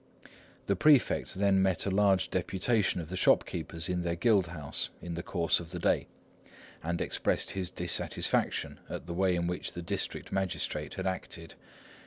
The prefect then met a large deputation of the shopkeepers in their guild house in the course of the day, and expressed his dissatisfaction at the way in which the district magistrate had acted.